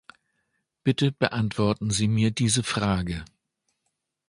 Bitte beantworten Sie mir diese Frage.